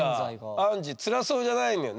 アンジー辛そうじゃないんだよね。